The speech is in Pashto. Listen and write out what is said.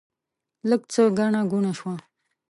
لږ څه ګڼه ګوڼه شوه.